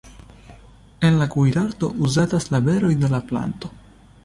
En la kuirarto uzatas la beroj de la planto.